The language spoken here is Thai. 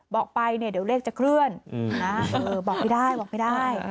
บอกไปเนี่ยเดี๋ยวเลขจะเคลื่อนนะบอกไม่ได้บอกไม่ได้